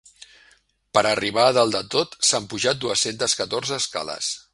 Per arribar a dalt de tot s'han pujat dues-centes catorze escales.